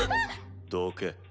どけ。